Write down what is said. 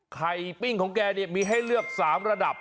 ปิ้งของแกเนี่ยมีให้เลือก๓ระดับ